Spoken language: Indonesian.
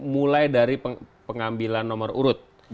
mulai dari pengambilan nomor urut